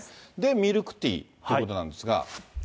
ミルクティーということなんですが。